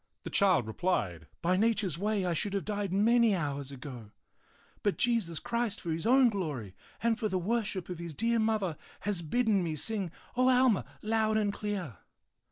The child replied, "By nature's way I should have died many hours ago, but Jesus Christ for his own glory and for the worship of his dear Mother has bidden me sing O Alma loud and clear.